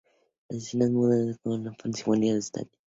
La escena muda es acompañada por una sinfonía en ostinato.